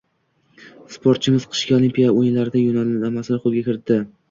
Sportchimiz qishki olimpiya o‘yinlari yo‘llanmasini qo‘lga kiritding